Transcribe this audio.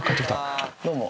どうも。